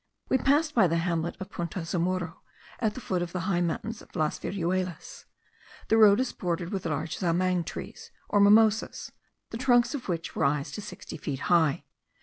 We passed by the hamlet of Punta Zamuro, at the foot of the high mountains of Las Viruelas. The road is bordered with large zamang trees, or mimosas, the trunks of which rise to sixty feet high.